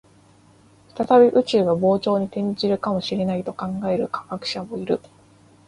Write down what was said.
再び宇宙が膨張に転じるかもしれないと考える科学者もいる